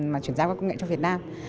mà chuyển giao các công nghệ cho việt nam